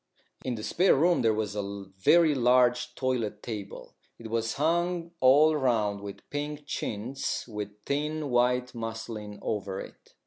In the spare room there was a very large toilet table. It was hung all round with pink chintz with thin white muslin over it.